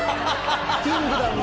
『キングダム』。